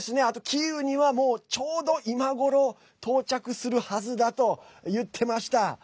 キーウには、ちょうど今頃到着するはずだと言ってました。